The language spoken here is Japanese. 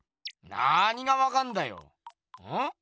なにがわかんだよ？